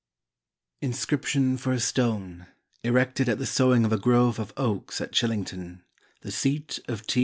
INSCRIPTION FOR A STONE ERECTED AT THE SOWING OF A GROVE OF OAKS AT CHILLINGTON, THE SEAT OF T.